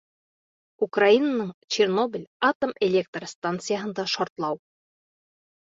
Украинаның Чернобыль атом электр станцияһында шартлау.